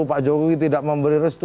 pak jokowi tidak memberi restu